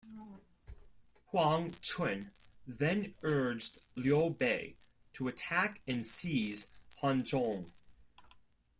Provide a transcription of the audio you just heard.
Huang Quan then urged Liu Bei to attack and seize Hanzhong.